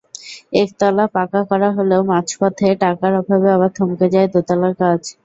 একতলা পাকা করা হলেও মাঝপথে টাকার অভাবে আবার থমকে যায় দোতলার কাজ।